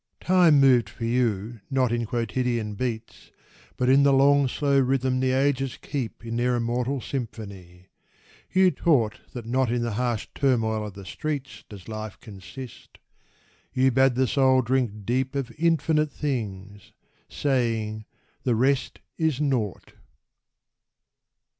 Time moved for you not in quotidian beats, But in the long slow rhythm the ages keep In their immortal symphony. You taught That not in the harsh turmoil of the streets Does life consist; you bade the soul drink deep Of infinite things, saying: "The rest is naught."